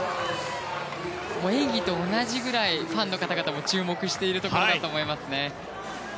演技と同じくらいファンの方々も注目しているところだと思いますね。